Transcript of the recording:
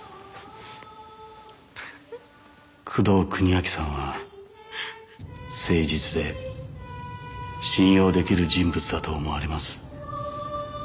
「工藤邦明さんは誠実で信用できる人物だと思われます」